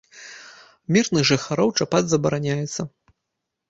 Мірных жыхароў чапаць забараняецца.